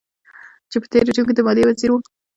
چې په تېر رژيم کې د ماليې وزير و.